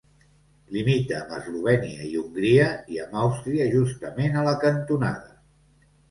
Limita amb Eslovènia i Hongria, i amb Àustria justament a la cantonada.